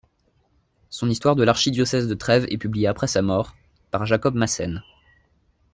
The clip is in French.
Son histoire de l’archidiocèse de Trèves est publiée après sa mort, par Jacob Masen.